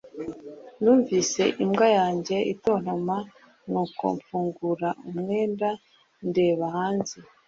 numvise imbwa yanjye itontoma, nuko mfungura umwenda, ndeba hanze